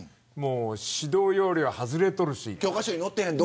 指導要領は外れとるし。